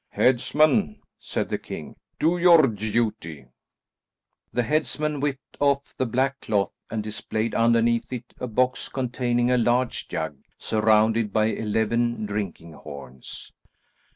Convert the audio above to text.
"Headsman," said the king, "do your duty." The headsman whipped off the black cloth and displayed underneath it a box containing a large jug surrounded by eleven drinking horns.